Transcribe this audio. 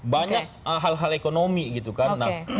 banyak hal hal ekonomi gitu kan